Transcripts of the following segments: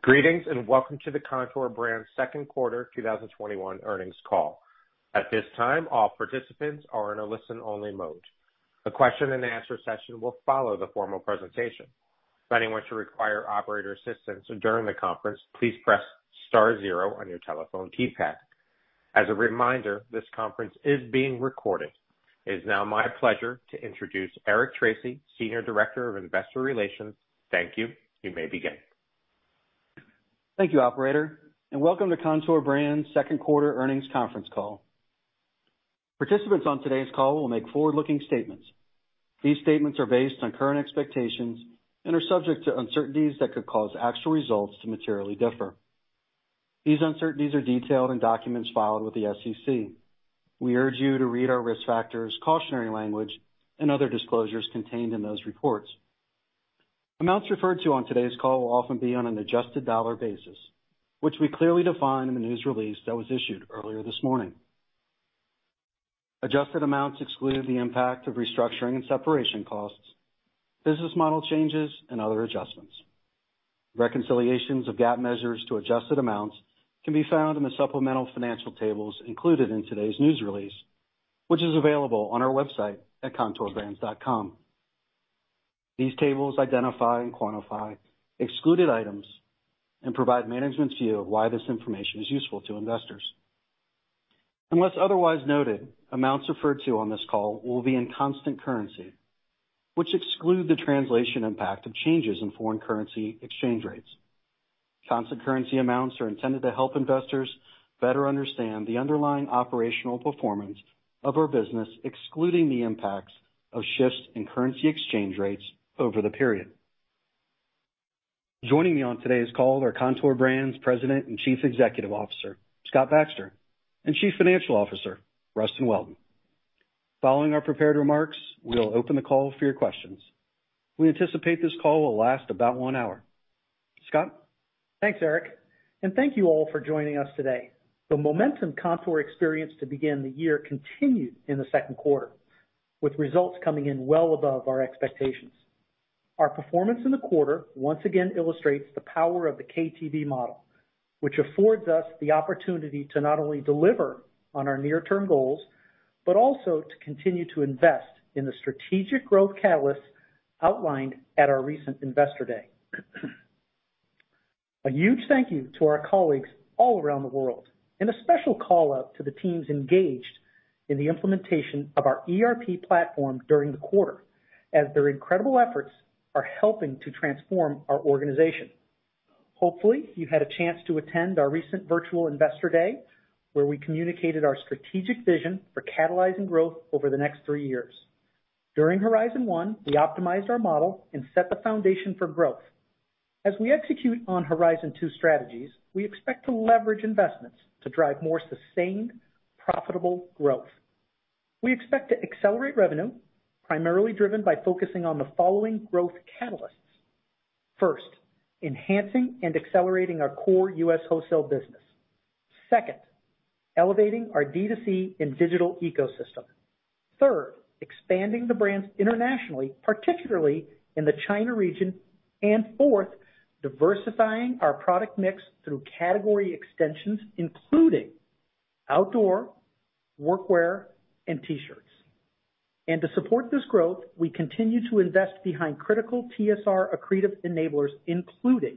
Greetings, welcome to the Kontoor Brands second quarter 2021 earnings call. At this time, all participants are in a listen-only mode. A question and answer session will follow the formal presentation. If anyone should require operator assistance during the conference, please press star zero on your telephone keypad. As a reminder, this conference is being recorded. It is now my pleasure to introduce Eric Tracy, Senior Director of Investor Relations. Thank you. You may begin. Thank you, operator, and welcome to Kontoor Brands second quarter earnings conference call. Participants on today's call will make forward-looking statements. These statements are based on current expectations and are subject to uncertainties that could cause actual results to materially differ. These uncertainties are detailed in documents filed with the SEC. We urge you to read our risk factors, cautionary language, and other disclosures contained in those reports. Amounts referred to on today's call will often be on an adjusted dollar basis, which we clearly define in the news release that was issued earlier this morning. Adjusted amounts exclude the impact of restructuring and separation costs, business model changes, and other adjustments. Reconciliations of GAAP measures to adjusted amounts can be found in the supplemental financial tables included in today's news release, which is available on our website at kontoorbrands.com. These tables identify and quantify excluded items and provide management's view of why this information is useful to investors. Unless otherwise noted, amounts referred to on this call will be in constant currency, which exclude the translation impact of changes in foreign currency exchange rates. Constant currency amounts are intended to help investors better understand the underlying operational performance of our business, excluding the impacts of shifts in currency exchange rates over the period. Joining me on today's call are Kontoor Brands President and Chief Executive Officer, Scott Baxter, and Chief Financial Officer, Rustin Welton. Following our prepared remarks, we will open the call for your questions. We anticipate this call will last about one hour. Scott? Thanks, Eric, and thank you all for joining us today. The momentum Kontoor experienced to begin the year continued in the second quarter, with results coming in well above our expectations. Our performance in the quarter once again illustrates the power of the KTB model, which affords us the opportunity to not only deliver on our near-term goals, but also to continue to invest in the strategic growth catalysts outlined at our recent Investor Day. A huge thank you to our colleagues all around the world, and a special call-out to the teams engaged in the implementation of our ERP platform during the quarter, as their incredible efforts are helping to transform our organization. Hopefully, you've had a chance to attend our recent virtual Investor Day, where we communicated our strategic vision for catalyzing growth over the next three years. During Horizon 1, we optimized our model and set the foundation for growth. As we execute on Horizon 2 strategies, we expect to leverage investments to drive more sustained, profitable growth. We expect to accelerate revenue, primarily driven by focusing on the following growth catalysts. First, enhancing and accelerating our core U.S. wholesale business. Second, elevating our D2C and digital ecosystem. Third, expanding the brands internationally, particularly in the China region. Fourth, diversifying our product mix through category extensions, including outdoor, workwear, and T-shirts. To support this growth, we continue to invest behind critical TSR accretive enablers, including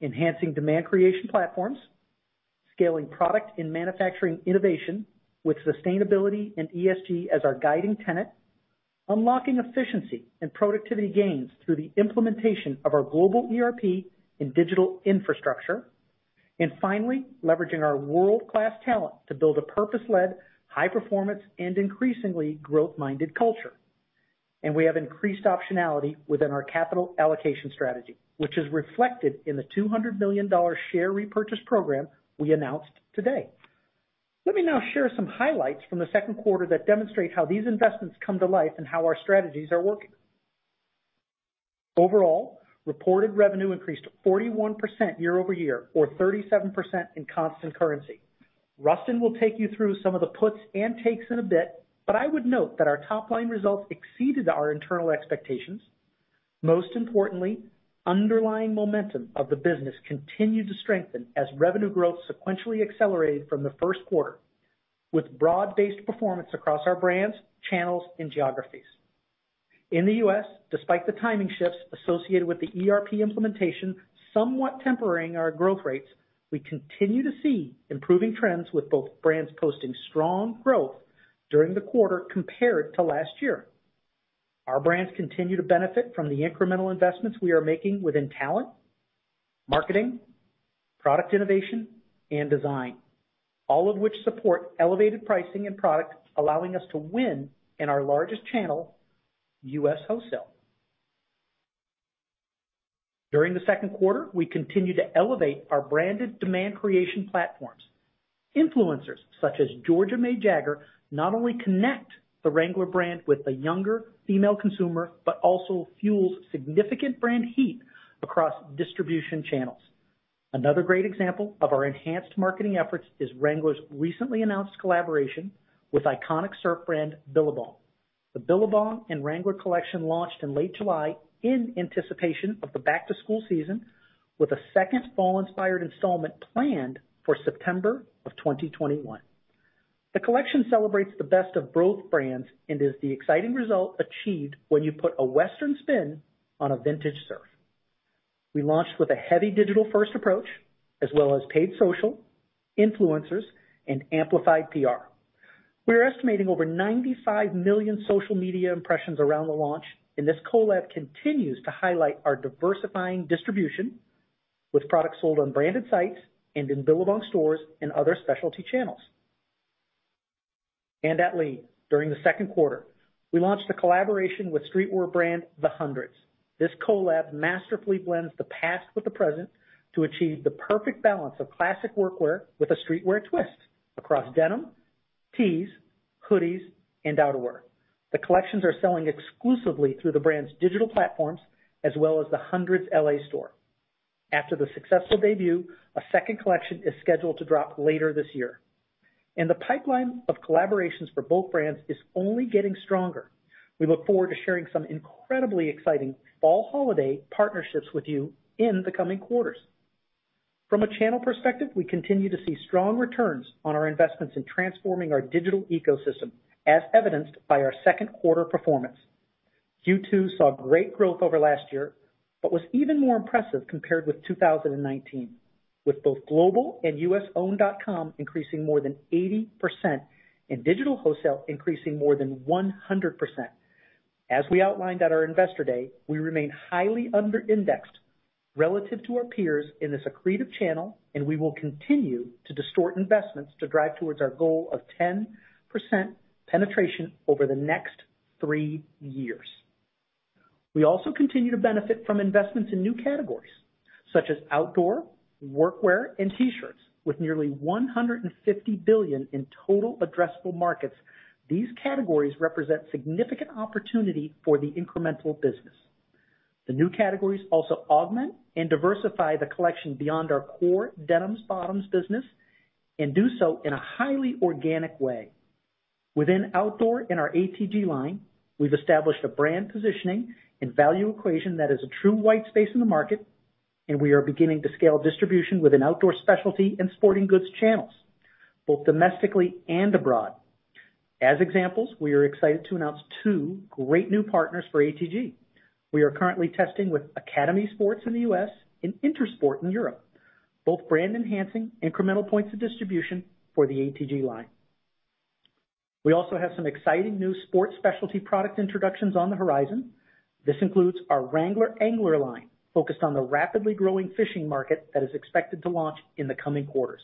enhancing demand creation platforms, scaling product and manufacturing innovation with sustainability and ESG as our guiding tenet, unlocking efficiency and productivity gains through the implementation of our global ERP and digital infrastructure, and finally, leveraging our world-class talent to build a purpose-led, high performance, and increasingly growth-minded culture. We have increased optionality within our capital allocation strategy, which is reflected in the $200 million share repurchase program we announced today. Let me now share some highlights from the second quarter that demonstrate how these investments come to life and how our strategies are working. Overall, reported revenue increased 41% year-over-year, or 37% in constant currency. Rustin will take you through some of the puts and takes in a bit, but I would note that our top-line results exceeded our internal expectations. Most importantly, underlying momentum of the business continued to strengthen as revenue growth sequentially accelerated from the first quarter with broad-based performance across our brands, channels, and geographies. In the U.S., despite the timing shifts associated with the ERP implementation somewhat tempering our growth rates, we continue to see improving trends with both brands posting strong growth during the quarter compared to last year. Our brands continue to benefit from the incremental investments we are making within talent, marketing, product innovation, and design, all of which support elevated pricing and product, allowing us to win in our largest channel, U.S. wholesale. During the second quarter, we continued to elevate our branded demand creation platforms. Influencers such as Georgia May Jagger not only connect the Wrangler brand with the younger female consumer, but also fuels significant brand heat across distribution channels. Another great example of our enhanced marketing efforts is Wrangler's recently announced collaboration with iconic surf brand, Billabong. The Billabong and Wrangler collection launched in late July in anticipation of the back-to-school season, with a second fall-inspired installment planned for September of 2021. The collection celebrates the best of both brands and is the exciting result achieved when you put a Western spin on a vintage surf. We launched with a heavy digital-first approach, as well as paid social, influencers, and amplified PR. We're estimating over 95 million social media impressions around the launch. This collab continues to highlight our diversifying distribution, with products sold on branded sites and in Billabong stores and other specialty channels. At Lee, during the second quarter, we launched a collaboration with streetwear brand, The Hundreds. This collab masterfully blends the past with the present to achieve the perfect balance of classic workwear with a streetwear twist across denim, tees, hoodies, and outerwear. The collections are selling exclusively through the brand's digital platforms as well as The Hundreds L.A. store. After the successful debut, a second collection is scheduled to drop later this year. The pipeline of collaborations for both brands is only getting stronger. We look forward to sharing some incredibly exciting fall holiday partnerships with you in the coming quarters. From a channel perspective, we continue to see strong returns on our investments in transforming our digital ecosystem, as evidenced by our second quarter performance. Q2 saw great growth over last year, but was even more impressive compared with 2019, with both global and U.S. owned.com increasing more than 80%, and digital wholesale increasing more than 100%. As we outlined at our Investor Day, we remain highly under-indexed relative to our peers in the D2C channel, and we will continue to distort investments to drive towards our goal of 10% penetration over the next three years. We also continue to benefit from investments in new categories, such as outdoor, workwear, and T-shirts. With nearly $150 billion in total addressable markets, these categories represent significant opportunity for the incremental business. The new categories also augment and diversify the collection beyond our core denims bottoms business, and do so in a highly organic way. Within outdoor and our ATG line, we've established a brand positioning and value equation that is a true white space in the market, and we are beginning to scale distribution within outdoor specialty and sporting goods channels, both domestically and abroad. As examples, we are excited to announce two great new partners for ATG. We are currently testing with Academy Sports in the U.S. and Intersport in Europe. Both brand enhancing incremental points of distribution for the ATG line. We also have some exciting new sports specialty product introductions on the horizon. This includes our Wrangler Angler line, focused on the rapidly growing fishing market that is expected to launch in the coming quarters.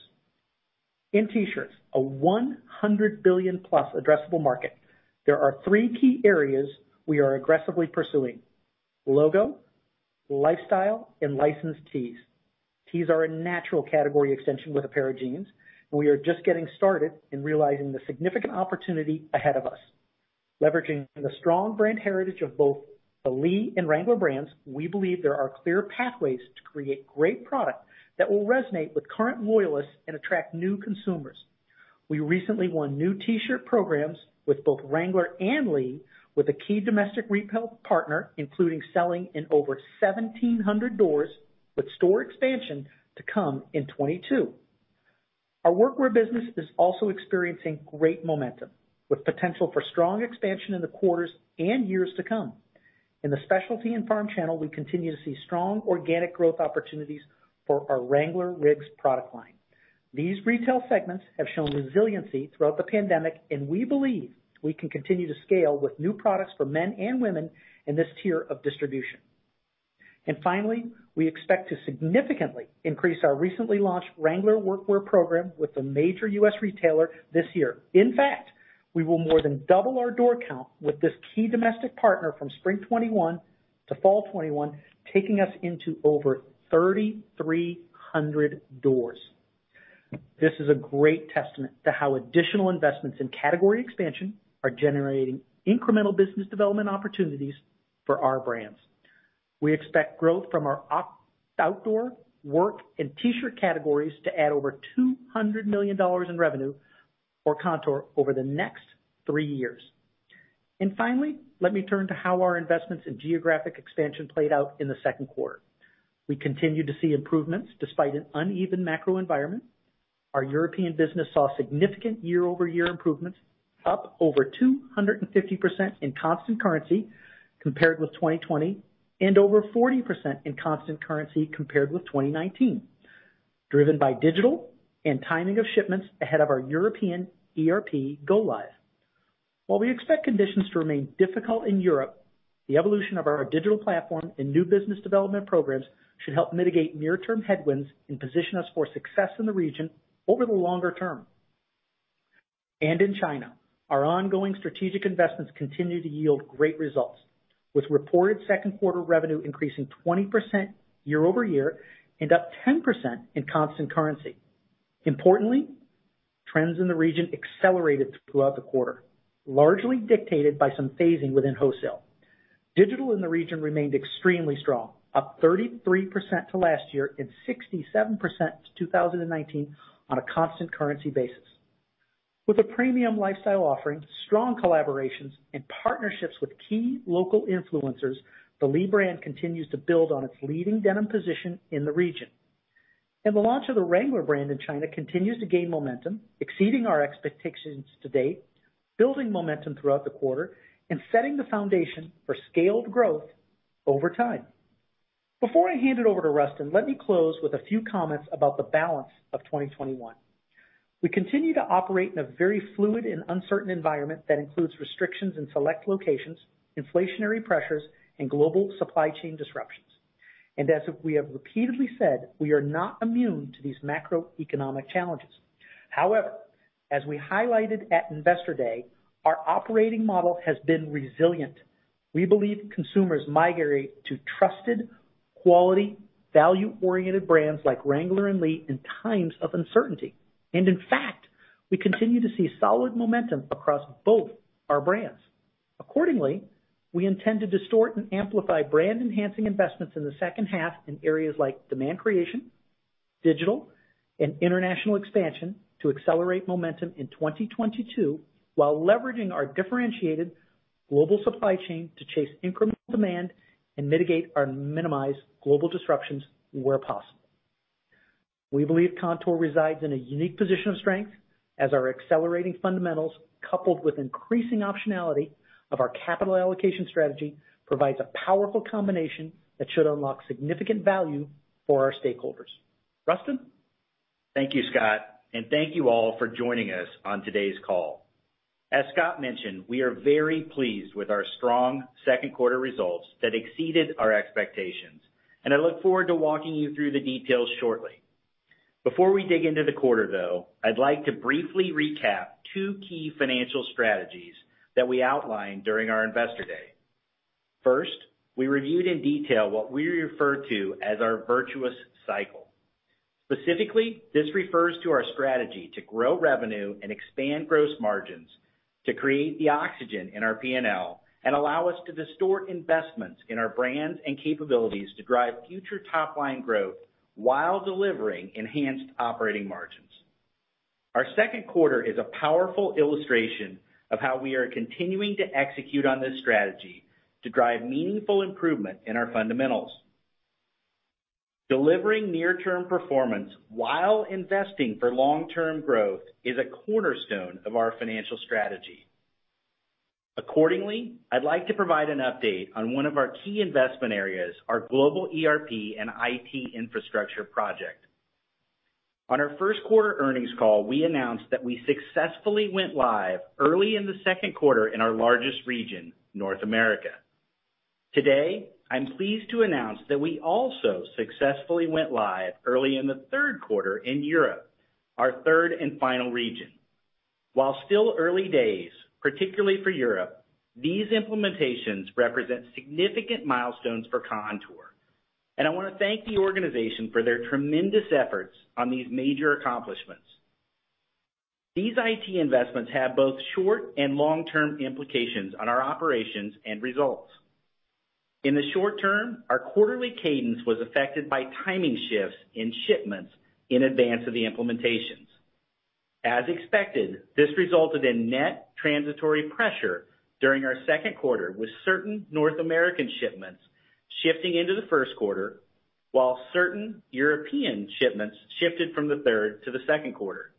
In T-shirts, a $100 billion+ addressable market, there are three key areas we are aggressively pursuing: logo, lifestyle, and licensed tees. Tees are a natural category extension with a pair of jeans. We are just getting started in realizing the significant opportunity ahead of us. Leveraging the strong brand heritage of both the Lee and Wrangler brands, we believe there are clear pathways to create great product that will resonate with current loyalists and attract new consumers. We recently won new T-shirt programs with both Wrangler and Lee with a key domestic retail partner, including selling in over 1,700 doors with store expansion to come in 2022. Our work wear business is also experiencing great momentum, with potential for strong expansion in the quarters and years to come. In the specialty and farm channel, we continue to see strong organic growth opportunities for our Wrangler RIGGS product line. These retail segments have shown resiliency throughout the pandemic, and we believe we can continue to scale with new products for men and women in this tier of distribution. Finally, we expect to significantly increase our recently launched Wrangler workwear program with a major U.S. retailer this year. In fact, we will more than double our door count with this key domestic partner from spring 2021 to fall 2021, taking us into over 3,300 doors. This is a great testament to how additional investments in category expansion are generating incremental business development opportunities for our brands. We expect growth from our outdoor, work, and T-shirt categories to add over $200 million in revenue for Kontoor over the next three years. Finally, let me turn to how our investments in geographic expansion played out in the second quarter. We continue to see improvements despite an uneven macro environment. Our European business saw significant year-over-year improvements, up over 250% in constant currency compared with 2020, and over 40% in constant currency compared with 2019, driven by digital and timing of shipments ahead of our European ERP go live. While we expect conditions to remain difficult in Europe, the evolution of our digital platform and new business development programs should help mitigate near-term headwinds and position us for success in the region over the longer term. In China, our ongoing strategic investments continue to yield great results, with reported second quarter revenue increasing 20% year-over-year and up 10% in constant currency. Importantly, trends in the region accelerated throughout the quarter, largely dictated by some phasing within wholesale. Digital in the region remained extremely strong, up 33% to last year and 67% to 2019 on a constant currency basis. With a premium lifestyle offering, strong collaborations, and partnerships with key local influencers, the Lee brand continues to build on its leading denim position in the region. The launch of the Wrangler brand in China continues to gain momentum, exceeding our expectations to date, building momentum throughout the quarter, and setting the foundation for scaled growth over time. Before I hand it over to Rustin, let me close with a few comments about the balance of 2021. We continue to operate in a very fluid and uncertain environment that includes restrictions in select locations, inflationary pressures, and global supply chain disruptions. As we have repeatedly said, we are not immune to these macroeconomic challenges. However, as we highlighted at Investor Day, our operating model has been resilient. We believe consumers migrate to trusted, quality, value-oriented brands like Wrangler and Lee in times of uncertainty. In fact, we continue to see solid momentum across both our brands. Accordingly, we intend to distort and amplify brand-enhancing investments in the second half in areas like demand creation, digital, and international expansion to accelerate momentum in 2022 while leveraging our differentiated global supply chain to chase incremental demand and mitigate or minimize global disruptions where possible. We believe Kontoor resides in a unique position of strength as our accelerating fundamentals, coupled with increasing optionality of our capital allocation strategy, provides a powerful combination that should unlock significant value for our stakeholders. Rustin? Thank you, Scott, and thank you all for joining us on today's call. As Scott mentioned, we are very pleased with our strong second quarter results that exceeded our expectations, and I look forward to walking you through the details shortly. Before we dig into the quarter, though, I'd like to briefly recap two key financial strategies that we outlined during our Investor Day. First, we reviewed in detail what we refer to as our virtuous cycle. Specifically, this refers to our strategy to grow revenue and expand gross margins to create the oxygen in our P&L and allow us to distort investments in our brands and capabilities to drive future top-line growth while delivering enhanced operating margins. Our second quarter is a powerful illustration of how we are continuing to execute on this strategy to drive meaningful improvement in our fundamentals. Delivering near-term performance while investing for long-term growth is a cornerstone of our financial strategy. Accordingly, I'd like to provide an update on one of our key investment areas, our global ERP and IT infrastructure project. On our first quarter earnings call, we announced that we successfully went live early in the second quarter in our largest region, North America. Today, I'm pleased to announce that we also successfully went live early in the third quarter in Europe, our third and final region. While still early days, particularly for Europe, these implementations represent significant milestones for Kontoor, and I want to thank the organization for their tremendous efforts on these major accomplishments. These IT investments have both short- and long-term implications on our operations and results. In the short term, our quarterly cadence was affected by timing shifts in shipments in advance of the implementations. As expected, this resulted in net transitory pressure during our second quarter, with certain North American shipments shifting into the first quarter, while certain European shipments shifted from the third to the second quarter.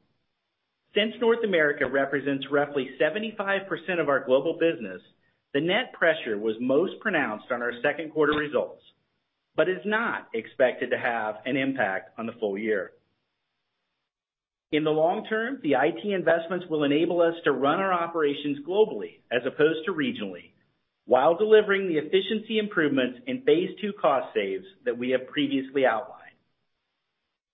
Since North America represents roughly 75% of our global business, the net pressure was most pronounced on our second quarter results, but is not expected to have an impact on the full year. In the long term, the IT investments will enable us to run our operations globally as opposed to regionally while delivering the efficiency improvements in phase II cost saves that we have previously outlined.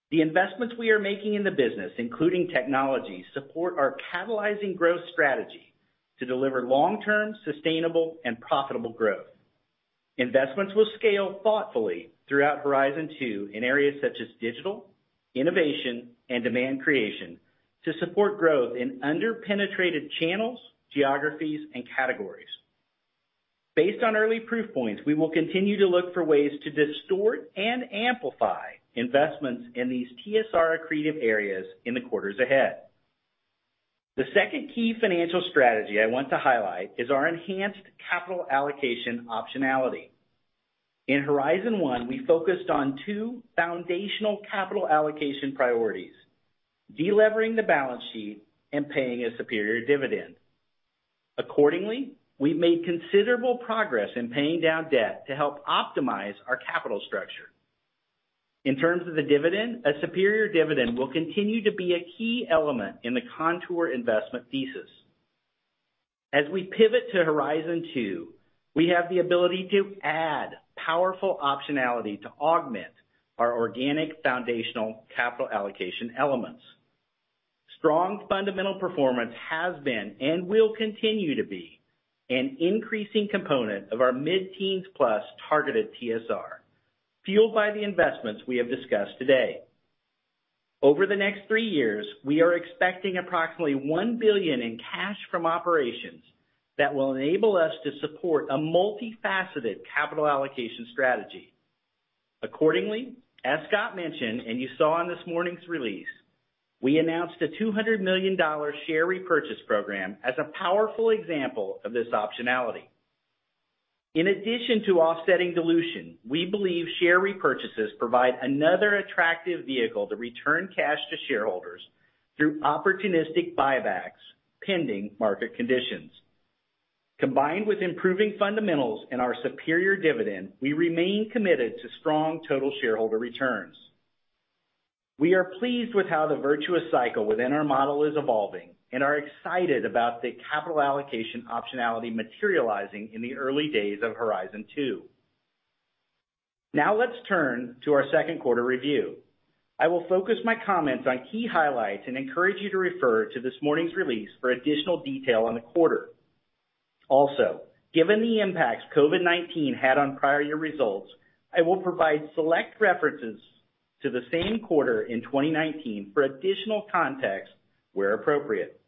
The investments we are making in the business, including technology, support our catalyzing growth strategy to deliver long-term, sustainable, and profitable growth. Investments will scale thoughtfully throughout Horizon 2 in areas such as digital, innovation, and demand creation to support growth in under-penetrated channels, geographies, and categories. Based on early proof points, we will continue to look for ways to distort and amplify investments in these TSR accretive areas in the quarters ahead. The second key financial strategy I want to highlight is our enhanced capital allocation optionality. In Horizon One, we focused on two foundational capital allocation priorities, de-levering the balance sheet and paying a superior dividend. Accordingly, we've made considerable progress in paying down debt to help optimize our capital structure. In terms of the dividend, a superior dividend will continue to be a key element in the Kontoor investment thesis. As we pivot to Horizon Two, we have the ability to add powerful optionality to augment our organic foundational capital allocation elements. Strong fundamental performance has been and will continue to be an increasing component of our mid-teens plus targeted TSR. Fueled by the investments we have discussed today. Over the next 3 years, we are expecting approximately $1 billion in cash from operations that will enable us to support a multifaceted capital allocation strategy. Accordingly, as Scott mentioned, and you saw in this morning's release, we announced a $200 million share repurchase program as a powerful example of this optionality. In addition to offsetting dilution, we believe share repurchases provide another attractive vehicle to return cash to shareholders through opportunistic buybacks, pending market conditions. Combined with improving fundamentals and our superior dividend, we remain committed to strong total shareholder returns. We are pleased with how the virtuous cycle within our model is evolving and are excited about the capital allocation optionality materializing in the early days of Horizon 2. Now let's turn to our second quarter review. I will focus my comments on key highlights and encourage you to refer to this morning's release for additional detail on the quarter. Also, given the impacts COVID-19 had on prior year results, I will provide select references to the same quarter in 2019 for additional context where appropriate.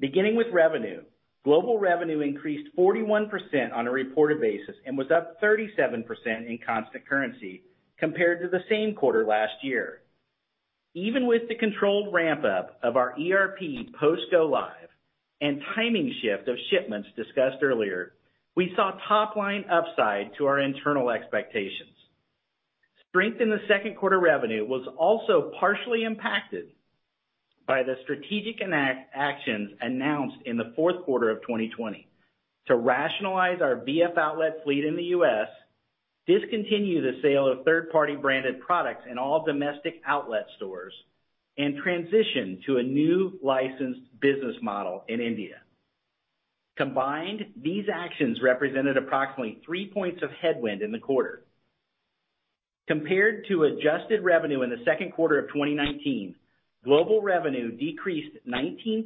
Beginning with revenue. Global revenue increased 41% on a reported basis and was up 37% in constant currency compared to the same quarter last year. Even with the controlled ramp-up of our ERP post go live and timing shift of shipments discussed earlier, we saw top line upside to our internal expectations. Strength in the second quarter revenue was also partially impacted by the strategic actions announced in the fourth quarter of 2020 to rationalize our VF Outlet fleet in the U.S., discontinue the sale of third-party branded products in all domestic outlet stores, and transition to a new licensed business model in India. Combined, these actions represented approximately 3 points of headwind in the quarter. Compared to adjusted revenue in the second quarter of 2019, global revenue decreased 19%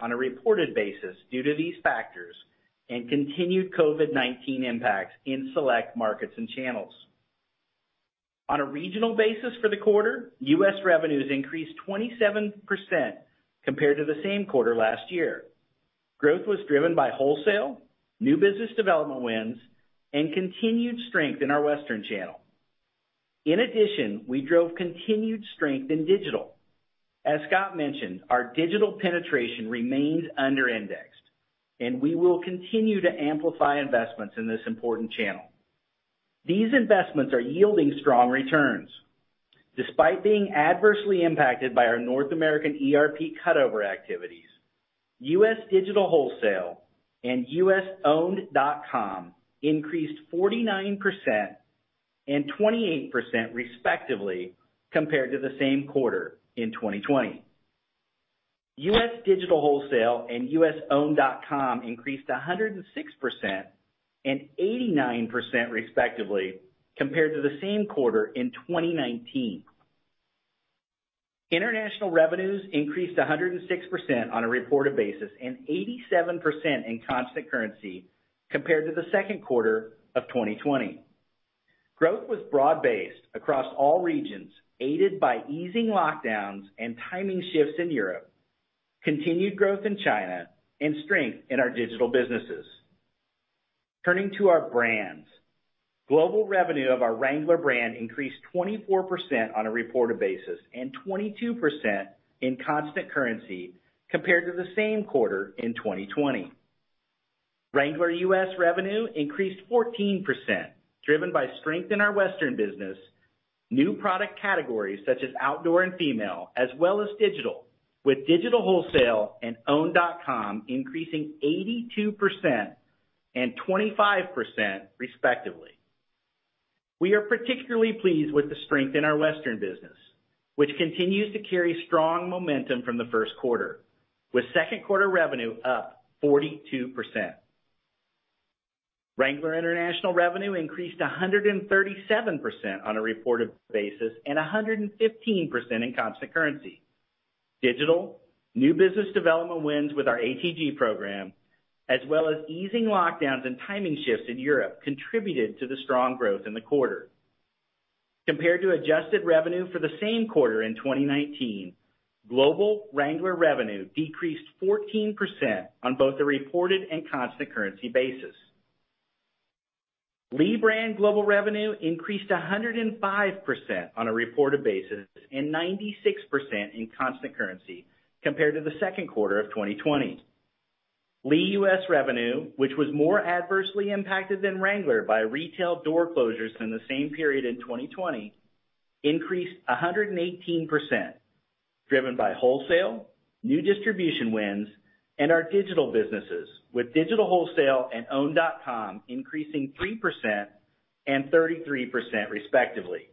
on a reported basis due to these factors and continued COVID-19 impacts in select markets and channels. On a regional basis for the quarter, U.S. revenues increased 27% compared to the same quarter last year. Growth was driven by wholesale, new business development wins, and continued strength in our Western channel. In addition, we drove continued strength in digital. As Scott mentioned, our digital penetration remains under-indexed, and we will continue to amplify investments in this important channel. These investments are yielding strong returns. Despite being adversely impacted by our North American ERP cutover activities, U.S. digital wholesale and U.S. owned.com increased 49% and 28%, respectively, compared to the same quarter in 2020. U.S. digital wholesale and U.S. owned.com increased 106% and 89%, respectively, compared to the same quarter in 2019. International revenues increased 106% on a reported basis and 87% in constant currency compared to the second quarter of 2020. Growth was broad-based across all regions, aided by easing lockdowns and timing shifts in Europe, continued growth in China, and strength in our digital businesses. Turning to our brands. Global revenue of our Wrangler brand increased 24% on a reported basis and 22% in constant currency compared to the same quarter in 2020. Wrangler U.S. revenue increased 14%, driven by strength in our Western business, new product categories such as outdoor and female, as well as digital, with digital wholesale and owned.com increasing 82% and 25%, respectively. We are particularly pleased with the strength in our Western business, which continues to carry strong momentum from the first quarter, with second quarter revenue up 42%. Wrangler International revenue increased 137% on a reported basis and 115% in constant currency. Digital new business development wins with our ATG program, as well as easing lockdowns and timing shifts in Europe contributed to the strong growth in the quarter. Compared to adjusted revenue for the same quarter in 2019, global Wrangler revenue decreased 14% on both a reported and constant currency basis. Lee brand global revenue increased 105% on a reported basis and 96% in constant currency compared to the second quarter of 2020. Lee U.S. revenue, which was more adversely impacted than Wrangler by retail door closures in the same period in 2020, increased 118%, driven by wholesale, new distribution wins, and our digital businesses, with digital wholesale and owned.com increasing 3% and 33%, respectively.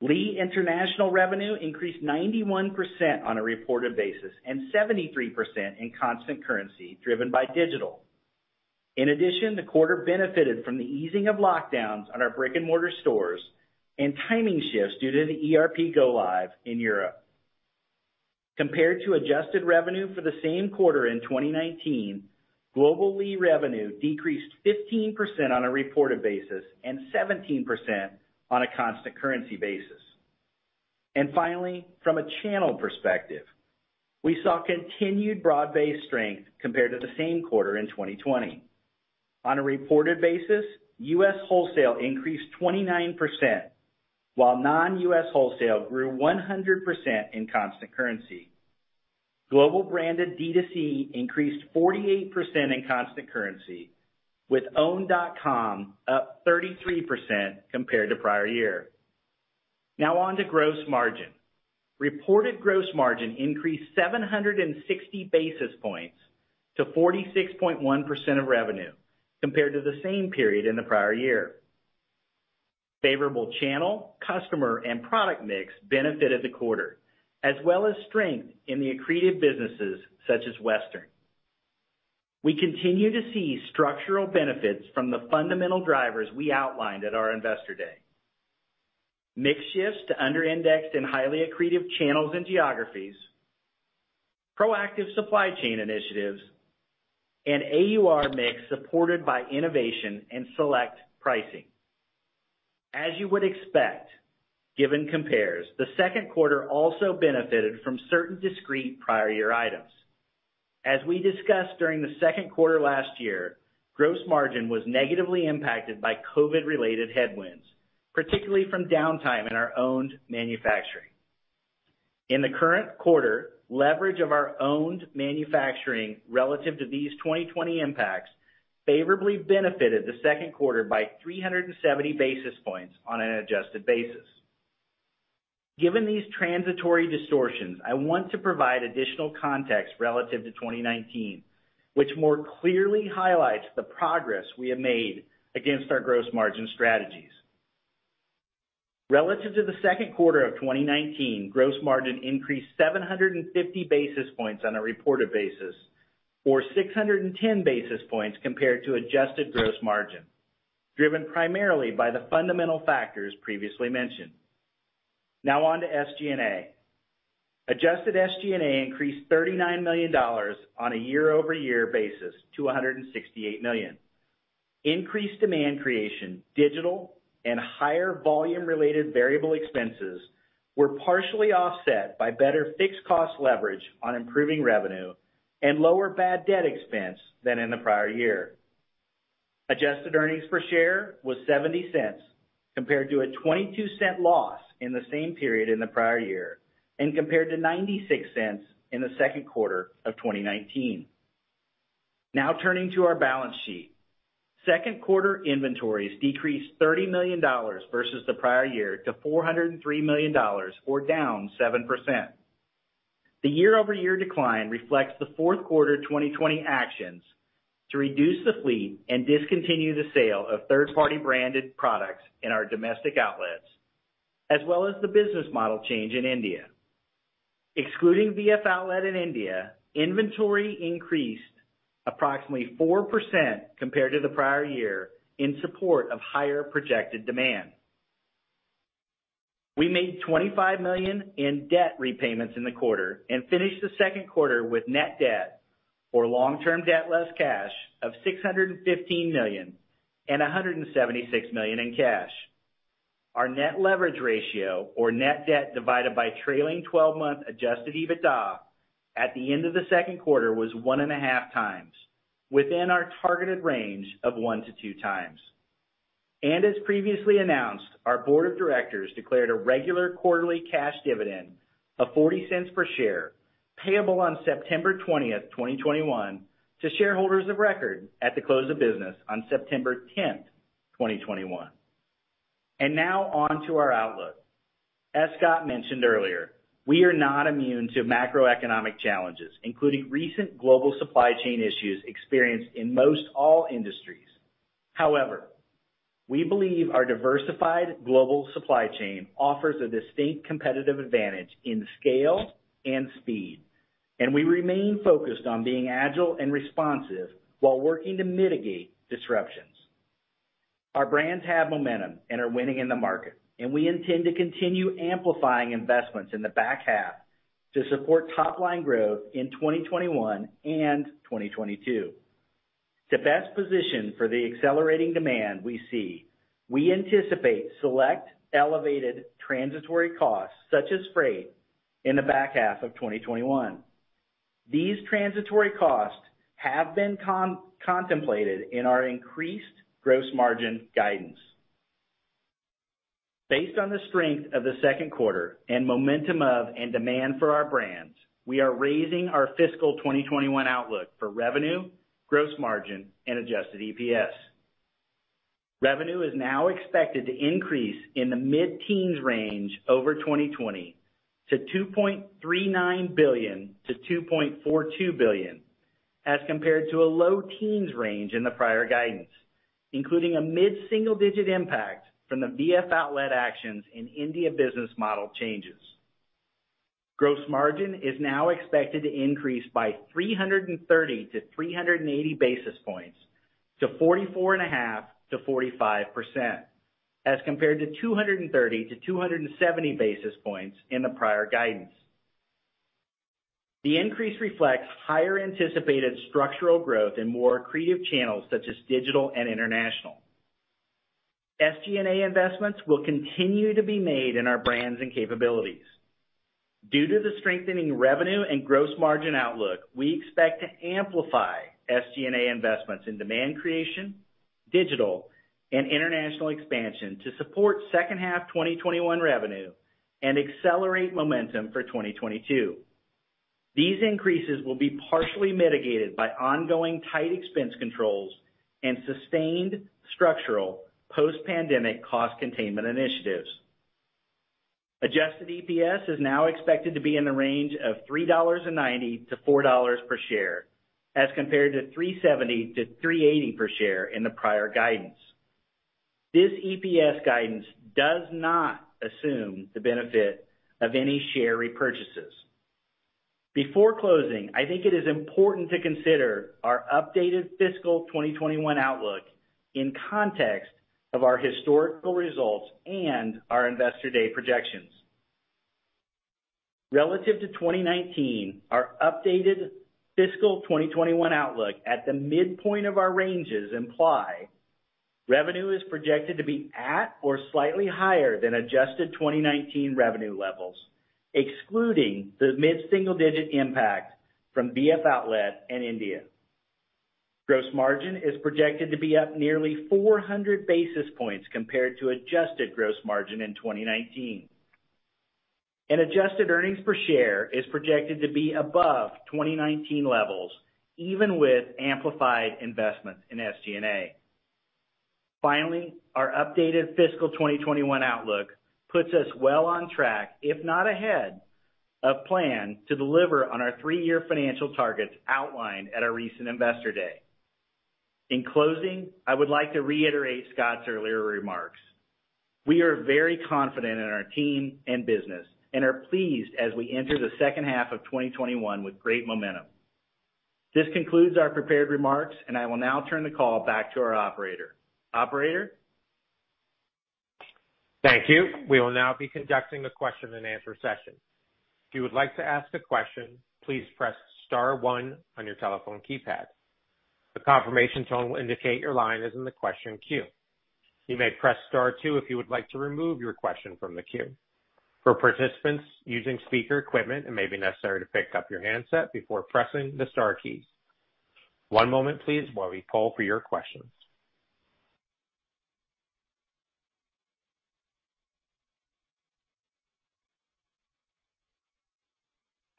Lee International revenue increased 91% on a reported basis and 73% in constant currency driven by digital. In addition, the quarter benefited from the easing of lockdowns on our brick and mortar stores and timing shifts due to the ERP go live in Europe. Compared to adjusted revenue for the same quarter in 2019, global Lee revenue decreased 15% on a reported basis and 17% on a constant currency basis. Finally, from a channel perspective, we saw continued broad-based strength compared to the same quarter in 2020. On a reported basis, U.S. wholesale increased 29%, while non-U.S. wholesale grew 100% in constant currency. Global branded D2C increased 48% in constant currency, with owned.com up 33% compared to prior year. Now on to gross margin. Reported gross margin increased 760 basis points to 46.1% of revenue, compared to the same period in the prior year. Favorable channel, customer, and product mix benefited the quarter, as well as strength in the accretive businesses such as Western. We continue to see structural benefits from the fundamental drivers we outlined at our Investor Day. Mix shifts to under-indexed and highly accretive channels and geographies, proactive supply chain initiatives, and AUR mix supported by innovation and select pricing. As you would expect, given compares, the second quarter also benefited from certain discrete prior year items. As we discussed during the second quarter last year, gross margin was negatively impacted by COVID-related headwinds, particularly from downtime in our owned manufacturing. In the current quarter, leverage of our owned manufacturing relative to these 2020 impacts favorably benefited the second quarter by 370 basis points on an adjusted basis. Given these transitory distortions, I want to provide additional context relative to 2019, which more clearly highlights the progress we have made against our gross margin strategies. Relative to the second quarter of 2019, gross margin increased 750 basis points on a reported basis or 610 basis points compared to adjusted gross margin, driven primarily by the fundamental factors previously mentioned. Now on to SG&A. Adjusted SG&A increased $39 million on a year-over-year basis to $168 million. Increased demand creation, digital, and higher volume-related variable expenses were partially offset by better fixed cost leverage on improving revenue and lower bad debt expense than in the prior year. Adjusted earnings per share was $0.70 compared to a $0.22 loss in the same period in the prior year and compared to $0.96 in the second quarter of 2019. Now turning to our balance sheet. Second quarter inventories decreased $30 million versus the prior year to $403 million, or down 7%. The year-over-year decline reflects the fourth quarter 2020 actions to reduce the fleet and discontinue the sale of third-party branded products in our domestic outlets, as well as the business model change in India. Excluding VF Outlet in India, inventory increased approximately 4% compared to the prior year in support of higher projected demand. We made $25 million in debt repayments in the quarter and finished the second quarter with net debt or long-term debt less cash of $615 million and $176 million in cash. Our net leverage ratio, or net debt divided by trailing 12-month adjusted EBITDA at the end of the second quarter was 1 and a half times, within our targeted range of 1-2 times. As previously announced, our board of directors declared a regular quarterly cash dividend of $0.40 per share, payable on September 20th, 2021 to shareholders of record at the close of business on September 10th, 2021. Now on to our outlook. As Scott mentioned earlier, we are not immune to macroeconomic challenges, including recent global supply chain issues experienced in most all industries. However, we believe our diversified global supply chain offers a distinct competitive advantage in scale and speed, and we remain focused on being agile and responsive while working to mitigate disruptions. Our brands have momentum and are winning in the market. We intend to continue amplifying investments in the back half to support top-line growth in 2021 and 2022. To best position for the accelerating demand we see, we anticipate select elevated transitory costs such as freight in the back half of 2021. These transitory costs have been contemplated in our increased gross margin guidance. Based on the strength of the second quarter and momentum of and demand for our brands, we are raising our fiscal 2021 outlook for revenue, gross margin, and adjusted EPS. Revenue is now expected to increase in the mid-teens range over 2020 to $2.39 billion-$2.42 billion as compared to a low teens range in the prior guidance, including a mid-single-digit impact from the VF Outlet actions and India business model changes. Gross margin is now expected to increase by 330-380 basis points to 44.5%-45%. As compared to 230-270 basis points in the prior guidance. The increase reflects higher anticipated structural growth in more accretive channels such as digital and international. SG&A investments will continue to be made in our brands and capabilities. Due to the strengthening revenue and gross margin outlook, we expect to amplify SG&A investments in demand creation, digital, and international expansion to support second half 2021 revenue and accelerate momentum for 2022. These increases will be partially mitigated by ongoing tight expense controls and sustained structural post-pandemic cost containment initiatives. Adjusted EPS is now expected to be in the range of $3.90-$4 per share, as compared to $3.70-$3.80 per share in the prior guidance. This EPS guidance does not assume the benefit of any share repurchases. Before closing, I think it is important to consider our updated fiscal 2021 outlook in context of our historical results and our Investor Day projections. Relative to 2019, our updated fiscal 2021 outlook at the midpoint of our ranges imply revenue is projected to be at or slightly higher than adjusted 2019 revenue levels, excluding the mid-single-digit impact from VF Outlet and India. Gross margin is projected to be up nearly 400 basis points compared to adjusted gross margin in 2019. Adjusted earnings per share is projected to be above 2019 levels, even with amplified investments in SG&A. Finally, our updated fiscal 2021 outlook puts us well on track, if not ahead, of plan to deliver on our three-year financial targets outlined at our recent Investor Day. In closing, I would like to reiterate Scott's earlier remarks. We are very confident in our team and business and are pleased as we enter the second half of 2021 with great momentum. This concludes our prepared remarks, and I will now turn the call back to our operator. Operator? Thank you. We will now be conducting the question and answer session. If you would like to ask a question, please press star one on your telephone keypad. The confirmation tone will indicate your line is in the question queue. You may press star two if you would like to remove your question from the queue. For participants using speaker equipment, it may be necessary to pick up your handset before pressing the star keys.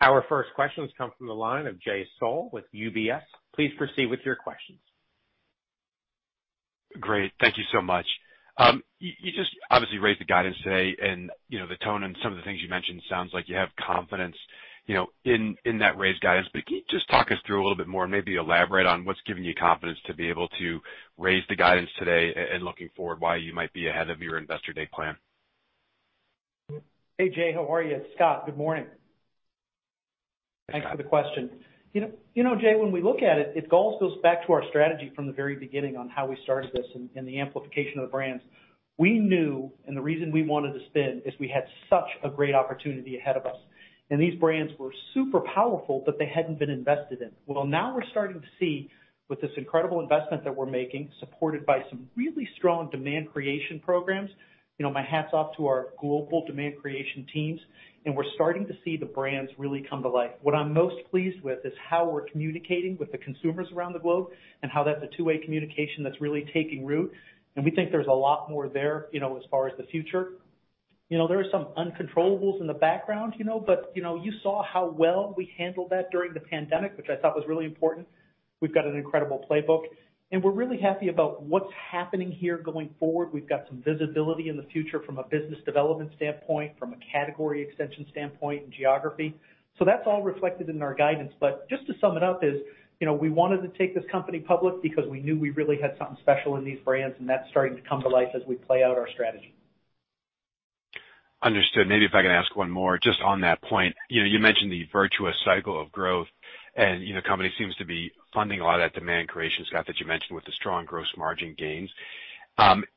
Our first questions come from the line of Jay Sole with UBS. Please proceed with your questions. Great. Thank you so much. You just obviously raised the guidance today and the tone and some of the things you mentioned sounds like you have confidence in that raised guidance. Can you just talk us through a little more and maybe elaborate on what's giving you confidence to be able to raise the guidance today and looking forward, why you might be ahead of your Investor Day plan? Hey, Jay. How are you? It's Scott. Good morning. Thanks for the question. Jay, when we look at it all goes back to our strategy from the very beginning on how we started this and the amplification of the brands. We knew, and the reason we wanted to spin, is we had such a great opportunity ahead of us. These brands were super powerful, but they hadn't been invested in. Well, now we're starting to see with this incredible investment that we're making, supported by some really strong demand creation programs. My hat's off to our global demand creation teams, and we're starting to see the brands really come to life. What I'm most pleased with is how we're communicating with the consumers around the globe and how that's a 2-way communication that's really taking root, and we think there's a lot more there, as far as the future. There are some uncontrollables in the background, you saw how well we handled that during the pandemic, which I thought was really important. We've got an incredible playbook, and we're really happy about what's happening here going forward. We've got some visibility in the future from a business development standpoint, from a category extension standpoint, and geography. That's all reflected in our guidance. Just to sum it up is, we wanted to take this company public because we knew we really had something special in these brands, and that's starting to come to life as we play out our strategy. Understood. Maybe if I can ask one more just on that point. You mentioned the virtuous cycle of growth and how the company seems to be funding a lot of that demand creation, Scott, that you mentioned with the strong gross margin gains.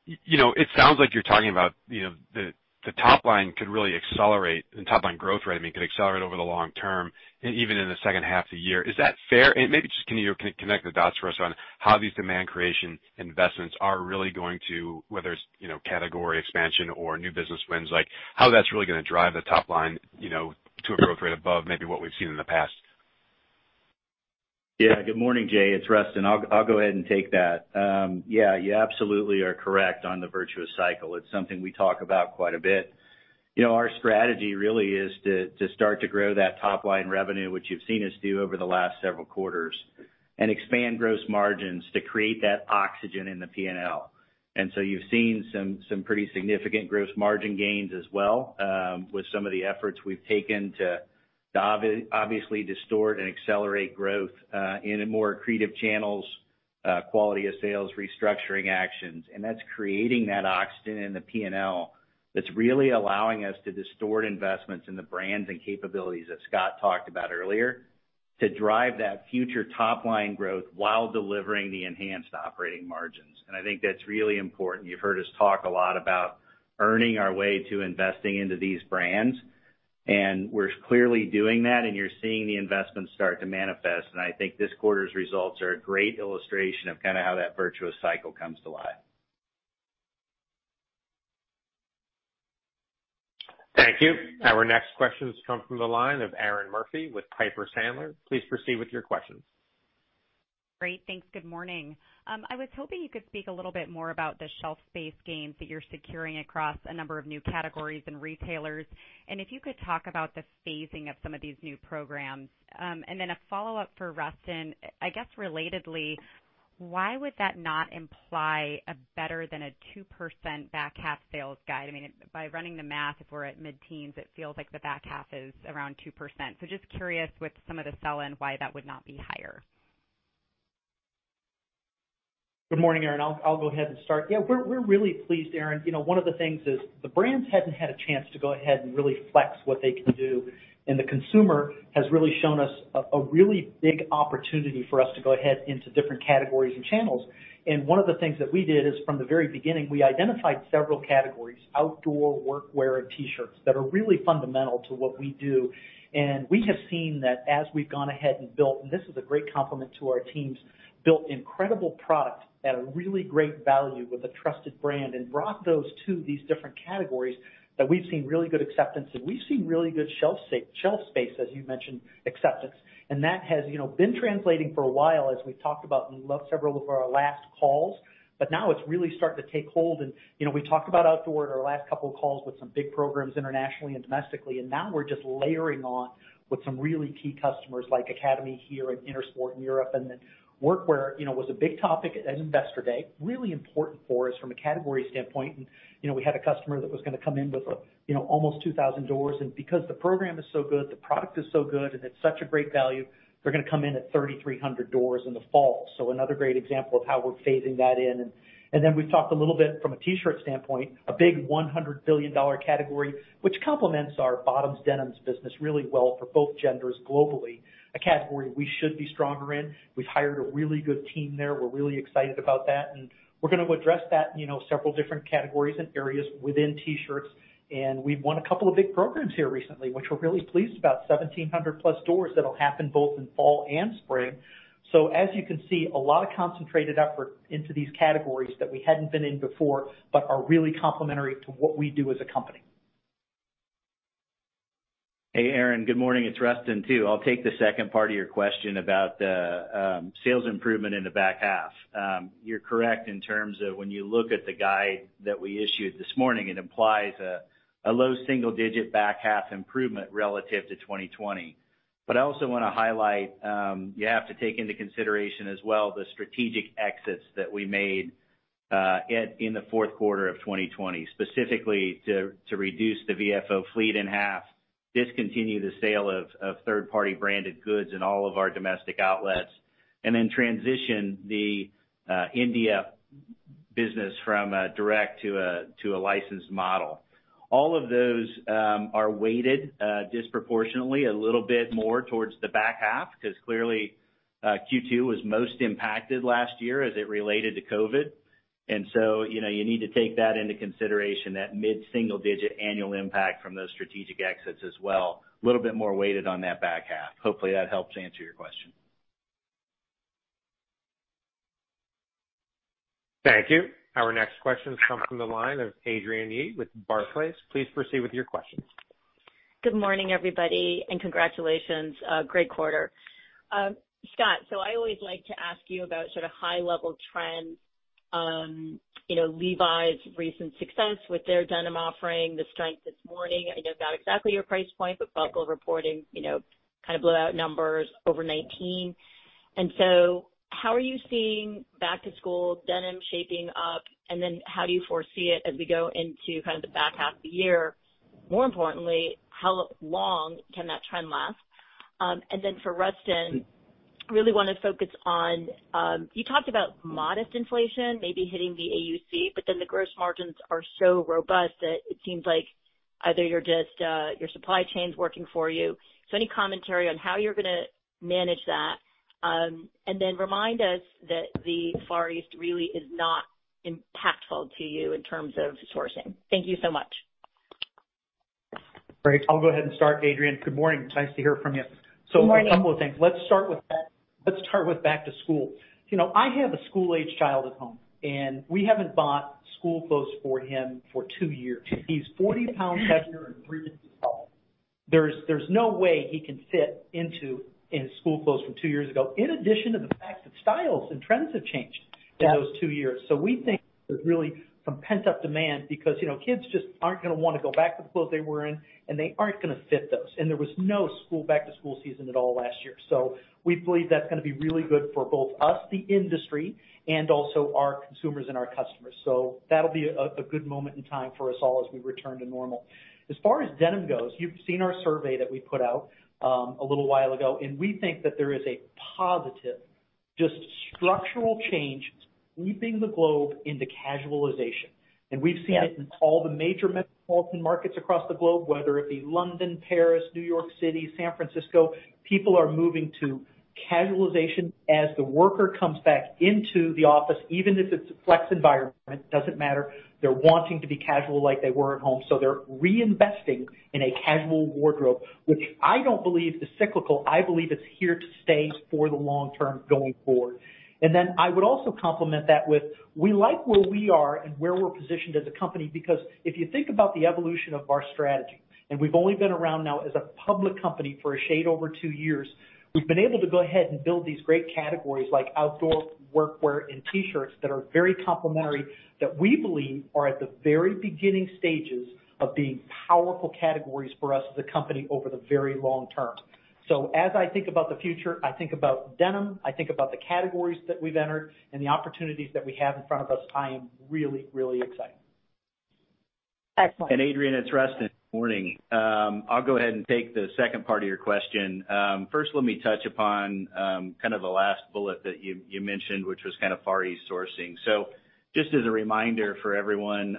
It sounds like you're talking about the top line could really accelerate, and top line growth rate, I mean, could accelerate over the long term, even in the second half of the year. Is that fair? Maybe just can you connect the dots for us on how these demand creation investments are really going to, whether it's category expansion or new business wins, how that's really going to drive the top line to a growth rate above maybe what we've seen in the past. Yeah. Good morning, Jay. It's Rustin. I'll go ahead and take that. Yeah, you absolutely are correct on the virtuous cycle. It's something we talk about quite a bit. Our strategy really is to start to grow that top line revenue, which you've seen us do over the last several quarters, and expand gross margins to create that oxygen in the P&L. You've seen some pretty significant gross margin gains as well with some of the efforts we've taken to obviously distort and accelerate growth in more accretive channels, quality of sales, restructuring actions, and that's creating that oxygen in the P&L that's really allowing us to distort investments in the brands and capabilities that Scott talked about earlier. To drive that future top-line growth while delivering the enhanced operating margins. I think that's really important. You've heard us talk a lot about earning our way to investing into these brands, and we're clearly doing that, and you're seeing the investments start to manifest. I think this quarter's results are a great illustration of how that virtuous cycle comes to life. Thank you. Our next question comes from the line of Erinn Murphy with Piper Sandler. Please proceed with your questions. Great. Thanks. Good morning. I was hoping you could speak a little bit more about the shelf space gains that you're securing across a number of new categories and retailers. If you could talk about the phasing of some of these new programs. Then a follow-up for Rustin. I guess relatedly, why would that not imply a better than a 2% back half sales guide? I mean, by running the math, if we're at mid-teens, it feels like the back half is around 2%. Just curious with some of the sell-in, why that would not be higher. Good morning, Erinn. I'll go ahead and start. Yeah, we're really pleased, Erinn. One of the things is the brands hadn't had a chance to go ahead and really flex what they can do, the consumer has really shown us a really big opportunity for us to go ahead into different categories and channels. One of the things that we did is, from the very beginning, we identified several categories, outdoor workwear and T-shirts, that are really fundamental to what we do. We have seen that as we've gone ahead, and this is a great compliment to our teams, built incredible product at a really great value with a trusted brand and brought those to these different categories, that we've seen really good acceptance, and we've seen really good shelf space, as you mentioned, acceptance. That has been translating for a while, as we've talked about in several of our last calls. Now it's really starting to take hold and we talked about outdoor at our last couple of calls with some big programs internationally and domestically, and now we're just layering on with some really key customers like Academy here and Intersport in Europe. Then Workwear was a big topic at Investor Day, really important for us from a category standpoint, and we had a customer that was going to come in with almost 2,000 doors. Because the program is so good, the product is so good, and it's such a great value, they're going to come in at 3,300 doors in the fall. Another great example of how we're phasing that in. We've talked a little bit from a T-shirt standpoint, a big $100 billion category, which complements our bottoms denims business really well for both genders globally. A category we should be stronger in. We've hired a really good team there. We're really excited about that, and we're going to address that in several different categories and areas within T-shirts. We've won a couple of big programs here recently, which we're really pleased about, 1,700 plus doors that'll happen both in fall and spring. A lot of concentrated effort into these categories that we hadn't been in before, but are really complementary to what we do as a company. Hey, Erinn, good morning. It's Rustin, too. I'll take the second part of your question about the sales improvement in the back half. You're correct in terms of when you look at the guide that we issued this morning, it implies a low single digit back half improvement relative to 2020. I also want to highlight, you have to take into consideration as well the strategic exits that we made in the fourth quarter of 2020, specifically to reduce the VFO fleet in half, discontinue the sale of third-party branded goods in all of our domestic outlets, and then transition the India business from a direct to a licensed model. All of those are weighted disproportionately a little bit more towards the back half, because clearly, Q2 was most impacted last year as it related to COVID. You need to take that into consideration, that mid-single digit annual impact from those strategic exits as well. A little bit more weighted on that back half. Hopefully, that helps answer your question. Thank you. Our next question comes from the line of Adrienne Yih-Tennant with Barclays. Please proceed with your questions. Good morning, everybody, and congratulations. Great quarter. Scott, I always like to ask you about high level trends. Levi's recent success with their denim offering, the strength this morning. I know not exactly your price point, but Buckle reporting blowout numbers over 19. How are you seeing back to school denim shaping up, and then how do you foresee it as we go into the back half of the year? More importantly, how long can that trend last? For Rustin Welton, really want to focus on, you talked about modest inflation maybe hitting the AUC, but then the gross margins are so robust that it seems like either your supply chain's working for you. Any commentary on how you're going to manage that? Remind us that the Far East really is not impactful to you in terms of sourcing. Thank you so much. Great. I'll go ahead and start, Adrienne. Good morning. It's nice to hear from you. Good morning. A couple of things. Let's start with back to school. I have a school-age child at home, and we haven't bought school clothes for him for two years. He's 40 pounds heavier and three inches taller. There's no way he can fit into his school clothes from two years ago. In addition to the fact that styles and trends have changed. Yes. in those 2 years. We think there's really some pent-up demand because kids just aren't going to want to go back to the clothes they were in, and they aren't going to fit those. There was no back to school season at all last year. We believe that's going to be really good for both us, the industry, and also our consumers and our customers. That'll be a good moment in time for us all as we return to normal. As far as denim goes, you've seen our survey that we put out a little while ago. We think that there is a positive structural change sweeping the globe into casualization. We've seen it in all the major metropolitan markets across the globe, whether it be London, Paris, New York City, San Francisco. People are moving to casualization as the worker comes back into the office, even if it's a flex environment, doesn't matter. They're wanting to be casual like they were at home, so they're reinvesting in a casual wardrobe, which I don't believe is cyclical. I believe it's here to stay for the long term going forward. I would also complement that with we like where we are and where we're positioned as a company, because if you think about the evolution of our strategy, and we've only been around now as a public company for a shade over two years, we've been able to go ahead and build these great categories like outdoor workwear and T-shirts that are very complementary, that we believe are at the very beginning stages of being powerful categories for us as a company over the very long term. As I think about the future, I think about denim, I think about the categories that we've entered and the opportunities that we have in front of us. I am really, really excited. Excellent. Adrienne, it's Rustin. Morning. I'll go ahead and take the second part of your question. First, let me touch upon the last bullet that you mentioned, which was Far East sourcing. Just as a reminder for everyone,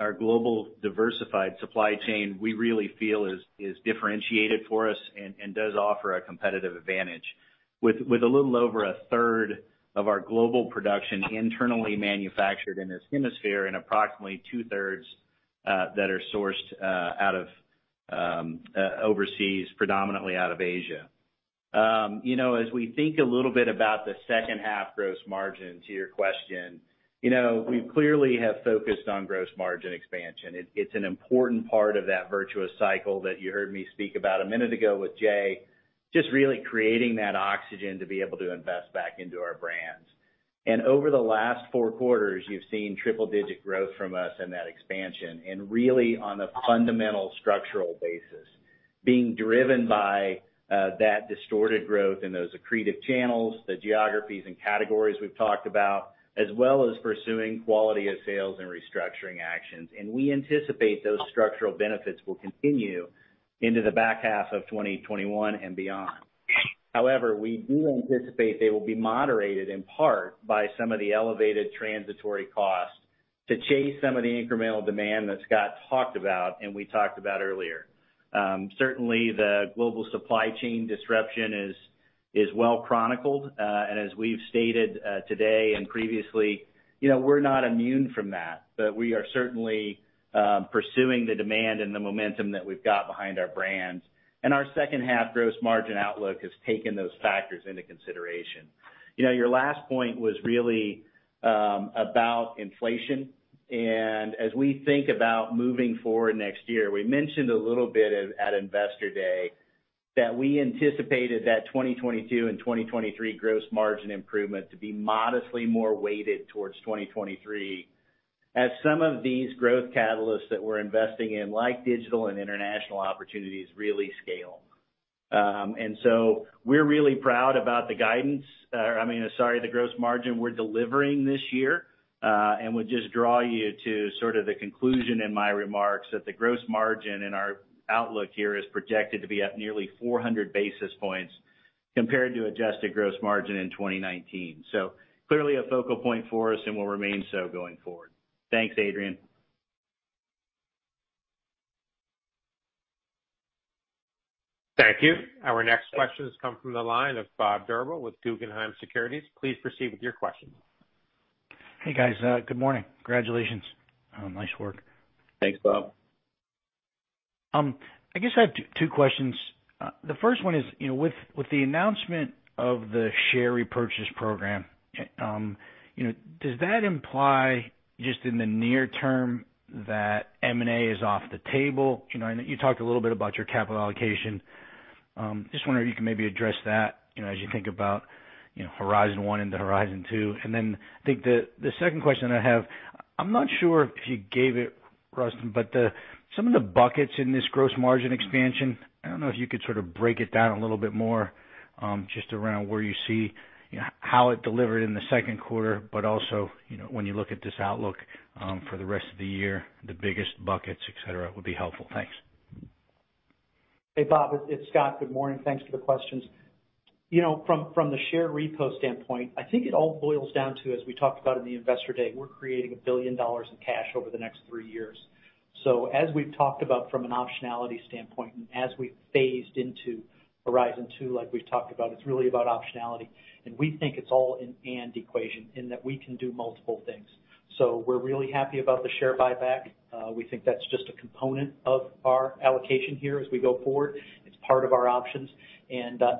our global diversified supply chain, we really feel is differentiated for us and does offer a competitive advantage. With a little over a third of our global production internally manufactured in this hemisphere and approximately two-thirds that are sourced overseas, predominantly out of Asia. As we think a little bit about the second half gross margin to your question, we clearly have focused on gross margin expansion. It's an important part of that virtuous cycle that you heard me speak about a minute ago with Jay, just really creating that oxygen to be able to invest back into our brands. Over the last four quarters, you've seen triple digit growth from us and that expansion, and really on a fundamental structural basis, being driven by that distorted growth in those accretive channels, the geographies and categories we've talked about, as well as pursuing quality of sales and restructuring actions. We anticipate those structural benefits will continue into the back half of 2021 and beyond. However, we do anticipate they will be moderated in part by some of the elevated transitory costs to chase some of the incremental demand that Scott talked about and we talked about earlier. Certainly, the global supply chain disruption is well chronicled. As we've stated today and previously, we're not immune from that. We are certainly pursuing the demand and the momentum that we've got behind our brands. Our second half gross margin outlook has taken those factors into consideration. Your last point was really about inflation. As we think about moving forward next year, we mentioned a little bit at Investor Day that we anticipated that 2022 and 2023 gross margin improvement to be modestly more weighted towards 2023 as some of these growth catalysts that we're investing in, like digital and international opportunities, really scale. We're really proud about the gross margin we're delivering this year. Would just draw you to the conclusion in my remarks that the gross margin in our outlook here is projected to be up nearly 400 basis points compared to adjusted gross margin in 2019. Clearly a focal point for us and will remain so going forward. Thanks, Adrienne. Thank you. Our next questions come from the line of Bob Drbul with Guggenheim Securities. Please proceed with your question. Hey, guys. Good morning. Congratulations on nice work. Thanks, Bob. I guess I have two questions. The first one is, with the announcement of the share repurchase program, does that imply just in the near term that M&A is off the table? You talked a little bit about your capital allocation. Just wondering if you can maybe address that as you think about Horizon 1 into Horizon 2. I think the second question I have, I'm not sure if you gave it, Rustin, but some of the buckets in this gross margin expansion, I don't know if you could sort of break it down a little bit more, just around where you see how it delivered in the second quarter, but also, when you look at this outlook for the rest of the year, the biggest buckets, et cetera, would be helpful. Thanks. Hey, Bob, it's Scott. Good morning. Thanks for the questions. From the share repo standpoint, I think it all boils down to, as we talked about in the Investor Day, we're creating $1 billion in cash over the next three years. As we've talked about from an optionality standpoint, and as we've phased into Horizon 2, like we've talked about, it's really about optionality. We think it's all an and equation, in that we can do multiple things. We're really happy about the share buyback. We think that's just a component of our allocation here as we go forward. It's part of our options.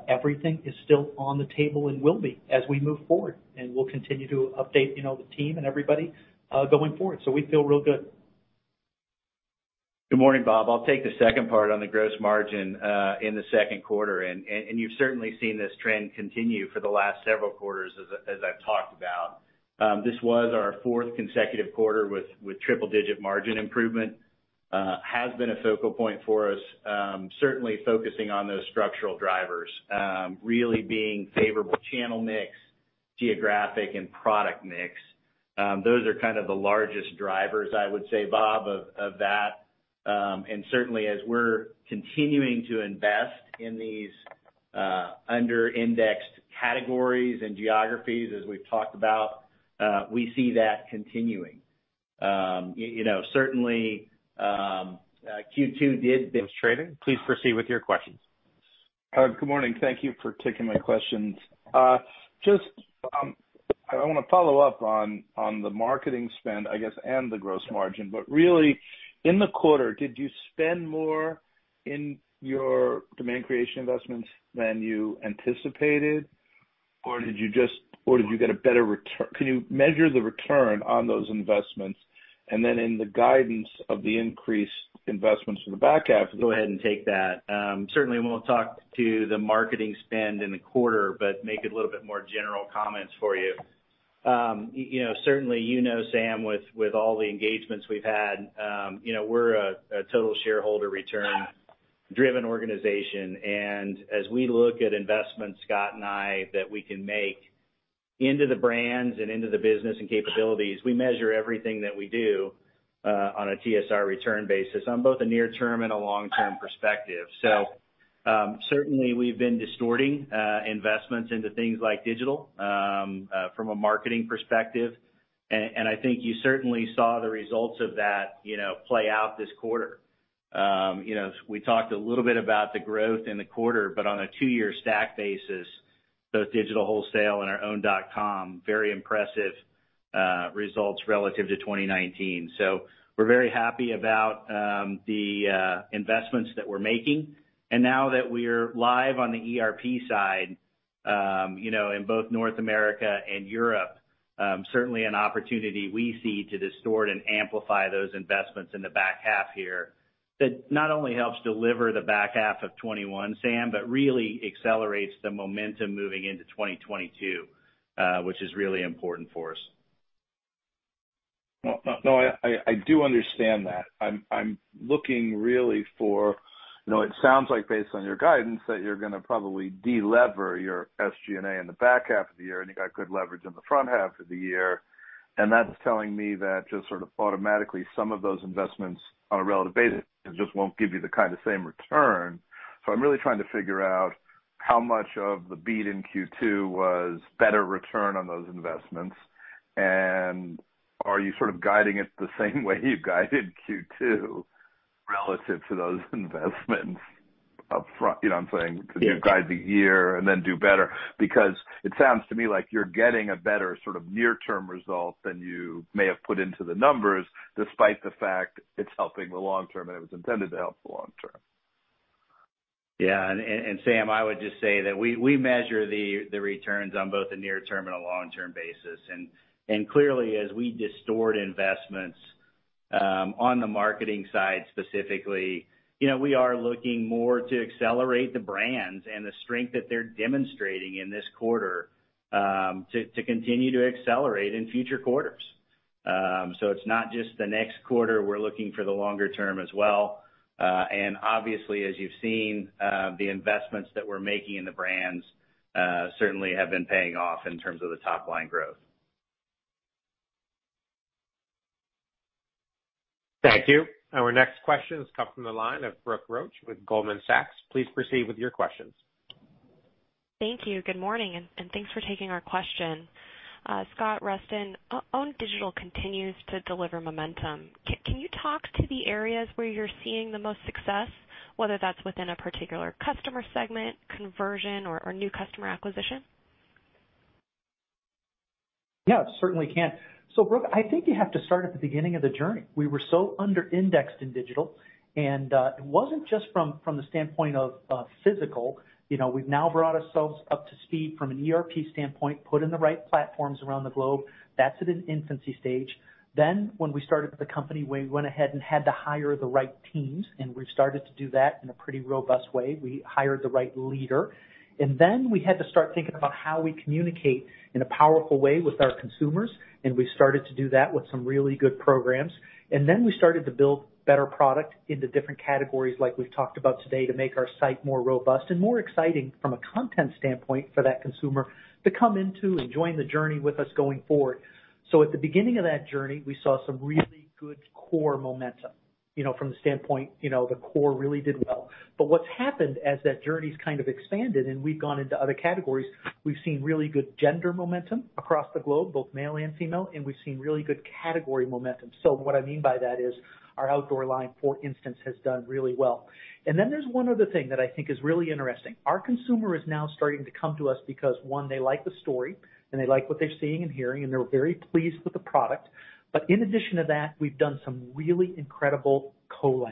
Everything is still on the table and will be as we move forward. We'll continue to update the team and everybody going forward. We feel real good. Good morning, Bob. I'll take the second part on the gross margin in the second quarter. You've certainly seen this trend continue for the last several quarters as I've talked about. This was our fourth consecutive quarter with triple-digit margin improvement. It has been a focal point for us, certainly focusing on those structural drivers, really being favorable channel mix, geographic and product mix. Those are kind of the largest drivers, I would say, Bob, of that. Certainly as we're continuing to invest in these under-indexed categories and geographies as we've talked about, we see that continuing. Certainly, Q2. Trading. Please proceed with your questions. Good morning. Thank you for taking my questions. I want to follow up on the marketing spend, I guess, and the gross margin. Really in the quarter, did you spend more in your demand creation investments than you anticipated? Can you measure the return on those investments then in the guidance of the increased investments for the back half? Go ahead and take that. Won't talk to the marketing spend in the quarter, but make it a little bit more general comments for you. You know, Sam, with all the engagements we've had, we're a total shareholder return driven organization, and as we look at investments, Scott and I, that we can make into the brands and into the business and capabilities, we measure everything that we do on a TSR return basis on both a near term and a long term perspective. Certainly we've been distorting investments into things like digital, from a marketing perspective. I think you certainly saw the results of that play out this quarter. We talked a little bit about the growth in the quarter, on a 2-year stack basis, both digital wholesale and our own.com, very impressive results relative to 2019. We're very happy about the investments that we're making. Now that we're live on the ERP side, in both North America and Europe, certainly an opportunity we see to distort and amplify those investments in the back half here, that not only helps deliver the back half of 2021, Sam, but really accelerates the momentum moving into 2022, which is really important for us. No, I do understand that. I'm looking really, it sounds like based on your guidance, that you're going to probably de-lever your SG&A in the back half of the year, and you got good leverage in the front half of the year, and that's telling me that just sort of automatically some of those investments on a relative basis just won't give you the kind of same return. I'm really trying to figure out how much of the beat in Q2 was better return on those investments, and are you sort of guiding it the same way you guided Q2 relative to those investments up front? You know what I'm saying? Yes. To guide the year and then do better, because it sounds to me like you're getting a better sort of near term result than you may have put into the numbers, despite the fact it's helping the long term, and it was intended to help the long term. Yeah. Sam, I would just say that we measure the returns on both a near term and a long term basis. Clearly, as we distort investments on the marketing side specifically, we are looking more to accelerate the brands and the strength that they're demonstrating in this quarter, to continue to accelerate in future quarters. It's not just the next quarter, we're looking for the longer term as well. Obviously, as you've seen, the investments that we're making in the brands certainly have been paying off in terms of the top-line growth. Thank you. Our next question has come from the line of Brooke Roach with Goldman Sachs. Please proceed with your questions. Thank you. Good morning, and thanks for taking our question. Scott, Rustin, own digital continues to deliver momentum. Can you talk to the areas where you're seeing the most success, whether that's within a particular customer segment, conversion, or new customer acquisition? Yeah, certainly can. Brooke, I think you have to start at the beginning of the journey. We were so under-indexed in digital, and it wasn't just from the standpoint of physical. We've now brought ourselves up to speed from an ERP standpoint, put in the right platforms around the globe. That's at an infancy stage. When we started the company, we went ahead and had to hire the right teams, and we started to do that in a pretty robust way. We hired the right leader. We had to start thinking about how we communicate in a powerful way with our consumers, and we started to do that with some really good programs. We started to build better product into different categories like we've talked about today, to make our site more robust and more exciting from a content standpoint for that consumer to come into and join the journey with us going forward. At the beginning of that journey, we saw some really good core momentum. From the standpoint, the core really did well. What's happened as that journey's kind of expanded and we've gone into other categories, we've seen really good gender momentum across the globe, both male and female, and we've seen really good category momentum. What I mean by that is our outdoor line, for instance, has done really well. There's one other thing that I think is really interesting. Our consumer is now starting to come to us because, one, they like the story, and they like what they're seeing and hearing, and they're very pleased with the product. In addition to that, we've done some really incredible collabs,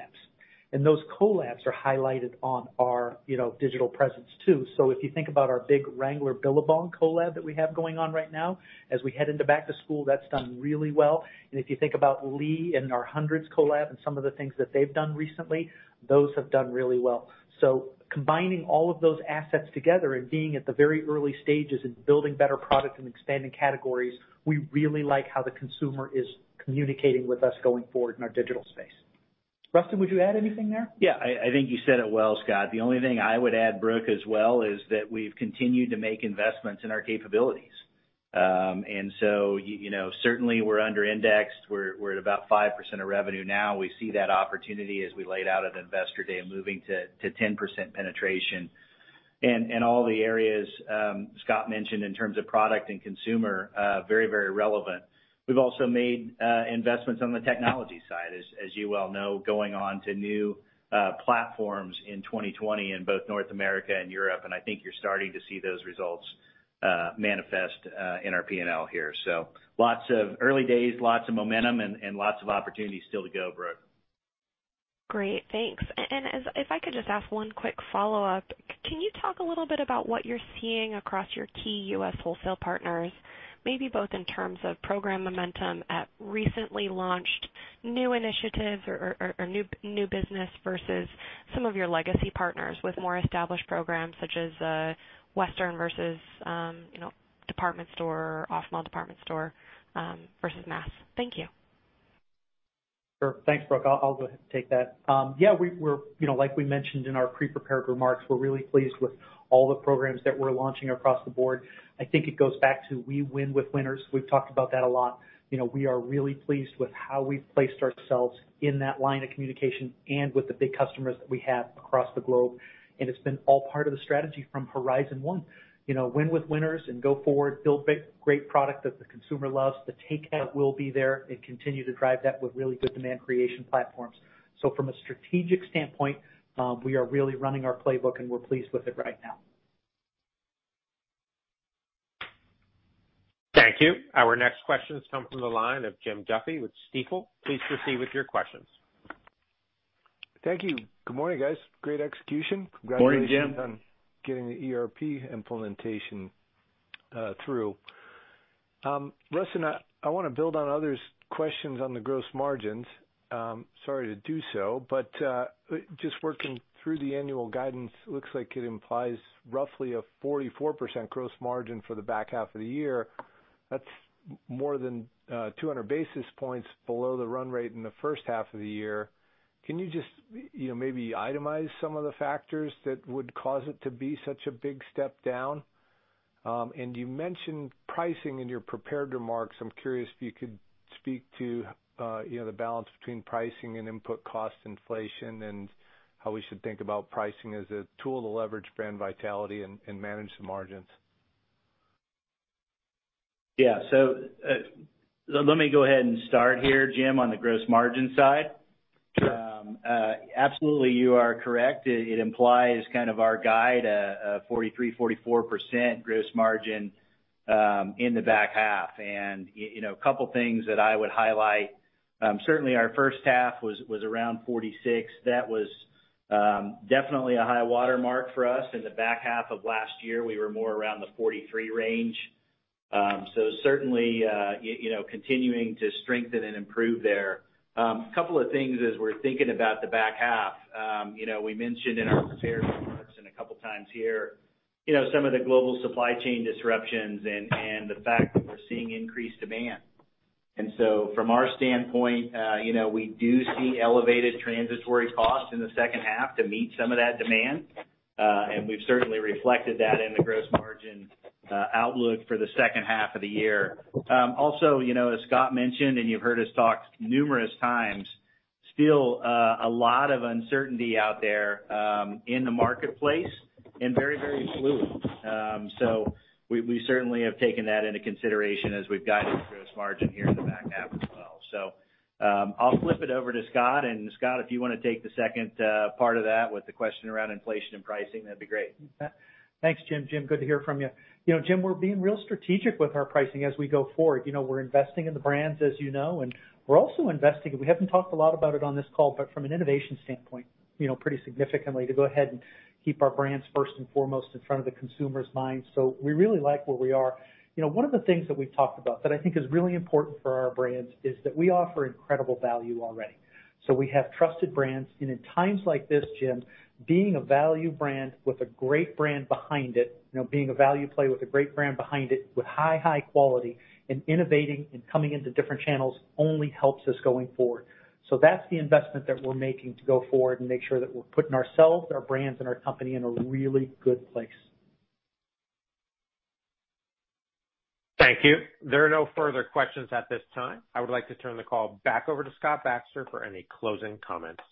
and those collabs are highlighted on our digital presence too. If you think about our big Wrangler Billabong collab that we have going on right now, as we head into back to school, that's done really well. If you think about Lee and our Hundreds collab and some of the things that they've done recently, those have done really well. Combining all of those assets together and being at the very early stages in building better product and expanding categories, we really like how the consumer is communicating with us going forward in our digital space. Rustin, would you add anything there? Yeah, I think you said it well, Scott. The only thing I would add, Brooke, as well, is that we've continued to make investments in our capabilities. Certainly we're under-indexed. We're at about 5% of revenue now. We see that opportunity as we laid out at Investor Day, moving to 10% penetration. All the areas Scott mentioned in terms of product and consumer, very relevant. We've also made investments on the technology side, as you well know, going on to new platforms in 2020 in both North America and Europe. I think you're starting to see those results manifest in our P&L here. Early days, lots of momentum, and lots of opportunities still to go, Brooke. Great. Thanks. If I could just ask one quick follow-up, can you talk a little bit about what you're seeing across your key U.S. wholesale partners, maybe both in terms of program momentum at recently launched new initiatives or new business versus some of your legacy partners with more established programs such as Western versus department store, off-mall department store, versus mass? Thank you. Sure. Thanks, Brooke. I'll go ahead and take that. Yeah, like we mentioned in our pre-prepared remarks, we're really pleased with all the programs that we're launching across the board. I think it goes back to we win with winners. We've talked about that a lot. We are really pleased with how we've placed ourselves in that line of communication and with the big customers that we have across the globe. It's been all part of the strategy from Horizon 1. Win with winners and go forward, build great product that the consumer loves. The takeout will be there, and continue to drive that with really good demand creation platforms. From a strategic standpoint, we are really running our playbook, and we're pleased with it right now. Thank you. Our next question has come from the line of Jim Duffy with Stifel. Please proceed with your questions. Thank you. Good morning, guys. Great execution. Morning, Jim. Congratulations on getting the ERP implementation through. Rustin, I want to build on others' questions on the gross margins. Just working through the annual guidance, looks like it implies roughly a 44% gross margin for the back half of the year. That's more than 200 basis points below the run rate in the first half of the year. Can you just maybe itemize some of the factors that would cause it to be such a big step down? You mentioned pricing in your prepared remarks. I'm curious if you could speak to the balance between pricing and input cost inflation and how we should think about pricing as a tool to leverage brand vitality and manage the margins. Let me go ahead and start here, Jim, on the gross margin side. Absolutely, you are correct. It implies kind of our guide, a 43%-44% gross margin in the back half. A couple things that I would highlight. Certainly, our first half was around 46%. That was definitely a high watermark for us. In the back half of last year, we were more around the 43% range. Certainly continuing to strengthen and improve there. Couple of things as we're thinking about the back half. We mentioned in our prepared remarks and a couple times here some of the global supply chain disruptions and the fact that we're seeing increased demand. From our standpoint, we do see elevated transitory costs in the second half to meet some of that demand. We've certainly reflected that in the gross margin outlook for the second half of the year. As Scott mentioned, and you've heard us talk numerous times, still a lot of uncertainty out there in the marketplace and very fluid. We certainly have taken that into consideration as we've guided the gross margin here in the back half as well. I'll flip it over to Scott, and Scott, if you want to take the second part of that with the question around inflation and pricing, that'd be great. Thanks, Jim. Jim, good to hear from you. Jim, we're being real strategic with our pricing as we go forward. We're investing in the brands, as you know, and we're also investing, we haven't talked a lot about it on this call, but from an innovation standpoint, pretty significantly to go ahead and keep our brands first and foremost in front of the consumer's minds. We really like where we are. One of the things that we've talked about that I think is really important for our brands is that we offer incredible value already. We have trusted brands, and in times like this, Jim, being a value brand with a great brand behind it, being a value play with a great brand behind it with high quality and innovating and coming into different channels only helps us going forward. That's the investment that we're making to go forward and make sure that we're putting ourselves, our brands, and our company in a really good place. Thank you. There are no further questions at this time. I would like to turn the call back over to Scott Baxter for any closing comments.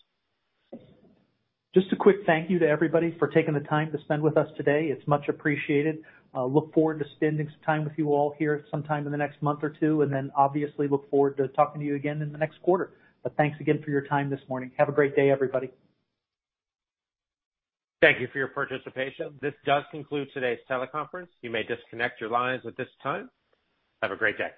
Just a quick thank you to everybody for taking the time to spend with us today. It's much appreciated. Look forward to spending some time with you all here sometime in the next month or two. Obviously look forward to talking to you again in the next quarter. Thanks again for your time this morning. Have a great day, everybody. Thank you for your participation. This does conclude today's teleconference. You may disconnect your lines at this time. Have a great day.